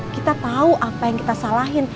kita tahu apa yang kita salahin